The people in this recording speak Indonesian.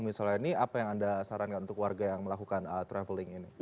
misalnya ini apa yang anda sarankan untuk warga yang melakukan traveling ini